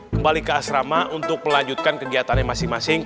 kembali ke asrama untuk melanjutkan kegiatannya masing masing